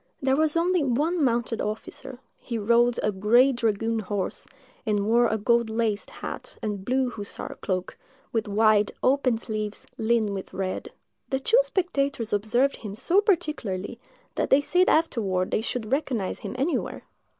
There was only one mounted officer: he rode a gray dragoon horse, and wore a gold laced hat and blue hussar cloak, with wide, open sleeves, lined with red. The two spectators observed him so particularly, that they said afterward they should recognise him anywhere.